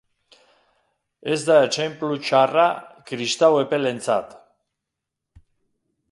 Ez da etsenplu txarra kristau epelentzat.